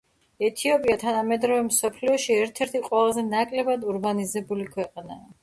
ეთიოპია თანამედროვე მსოფლიოში ერთ-ერთი ყველაზე ნაკლებად ურბანიზებული ქვეყანაა.